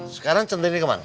sekarang centini kemana